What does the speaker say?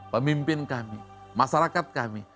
pemimpin kami masyarakat kami